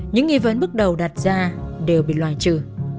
những nghi vấn bước đầu đặt ra đều bị loại trừ